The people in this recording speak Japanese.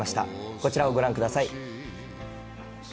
こちらをご覧ください。